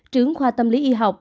trưởng khoa tâm lý y học